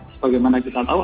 sebagaimana kita tahu